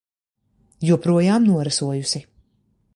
Joprojām norasojusi.